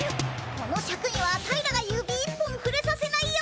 このシャクにはアタイらが指一本ふれさせないよ！